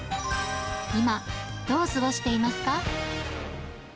今、どう過ごしていますか。